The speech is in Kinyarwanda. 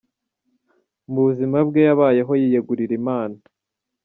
Mu buzima bwe, yabayeho yiyegurira Imana.